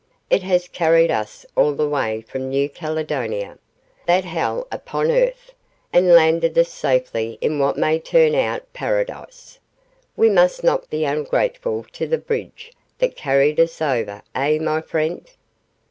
It has carried us all the way from New Caledonia, that hell upon earth, and landed us safely in what may turn out Paradise. We must not be ungrateful to the bridge that carried us over eh, my friend?